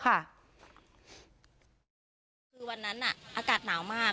คือวันนั้นอากาศหนาวมาก